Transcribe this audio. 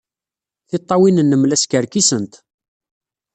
Tiṭṭawin-nnem la skerkisent.